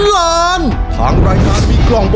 หัวหนึ่งหัวหนึ่ง